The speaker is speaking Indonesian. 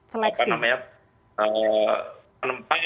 seleksi apa namanya